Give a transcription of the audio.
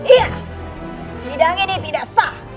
iya sidang ini tidak sah